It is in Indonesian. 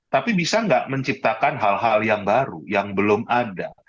tapi bisa nggak menciptakan hal hal yang baru yang belum ada